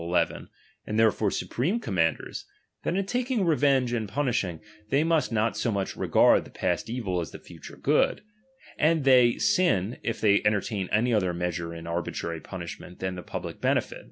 11, ^Hd therefore supreme commanders, that in taking TeTeuge and punishing they must not so much re gard the past evil as the future good ; and they sin, if they entertain any other measure in arbi trary punishment than the public benefit.